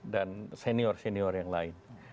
dan senior senior yang lain